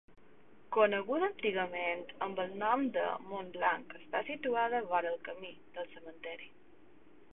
Coneguda antigament amb el nom de Montblanc està situada vora el camí del cementeri.